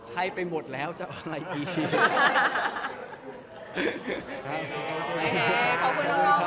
ให้ไปหมดแล้วจะเอาอะไรดี